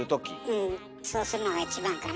うんそうするのが一番かな。